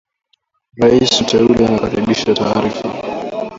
Rais mteule anakaribisha taarifa